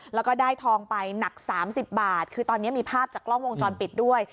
แล้วก็ได้ทองไปหนัก๓๐บาทคือตอนนี้มีภาพจากกล้องวงจรปิดด้วย